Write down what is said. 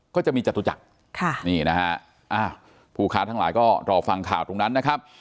ก็จะมีจตุจักรนี่นะฮะอ้าวผู้ค้าทั้งหลายก็รอฟังข่าวตรงนั้นนะครับ